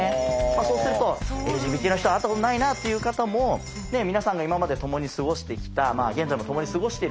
そうするとＬＧＢＴの人会ったことないなあっていう方も皆さんが今まで共に過ごしてきた現在も共に過ごしている